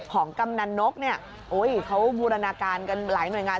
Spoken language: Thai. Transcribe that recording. กำนันนกเนี่ยโอ้ยเขาบูรณาการกันหลายหน่วยงาน